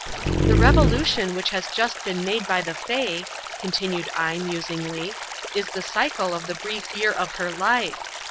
"The revolution which has just been made by the Fay," continued I, musingly, "is the cycle of the brief year of her life.